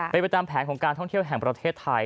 เป็นไปตามแผนของการท่องเที่ยวแห่งประเทศไทย